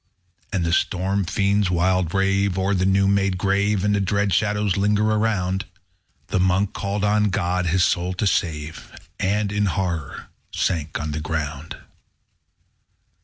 And the storm fiends wild rave O'er the new made grave, And dread shadows linger around. The Monk called on God his soul to save, And, in horror, sank on the ground.